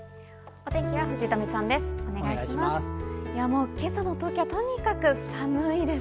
お天気は藤富さんです。